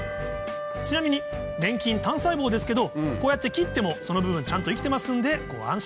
ちなみに粘菌単細胞ですけどこうやって切ってもその部分ちゃんと生きてますんでご安心